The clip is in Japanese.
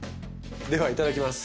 ではいただきます。